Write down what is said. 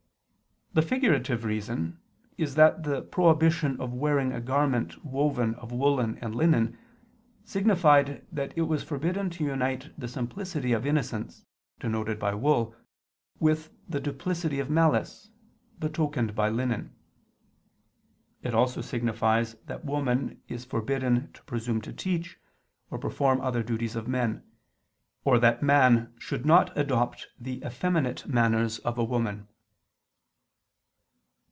The figurative reason is that the prohibition of wearing a garment woven of woolen and linen signified that it was forbidden to unite the simplicity of innocence, denoted by wool, with the duplicity of malice, betokened by linen. It also signifies that woman is forbidden to presume to teach, or perform other duties of men: or that man should not adopt the effeminate manners of a woman.